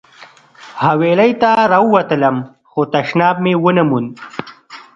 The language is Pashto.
حویلۍ ته راووتلم خو تشناب مې ونه موند.